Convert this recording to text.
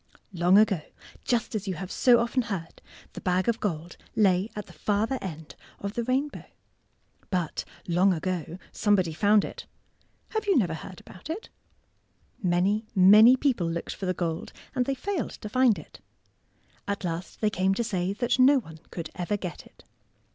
Long ago, just as you have so often heard, the bag of gold lay at the farther end of the 131 132 THE BUTTERCUP rainbow. But, long ago, somebody found it. Have you never heard about it^ Many, many people looked for the gold, and they failed to find it. At last they came to say that no one could ever get it.